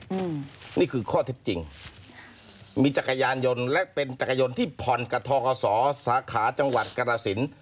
อืมนี่คือข้อเท็จจริงมีจักรยานยนต์และเป็นจักรยานยนต์ที่ผ่อนกับทกศสาขาจังหวัดกรสิน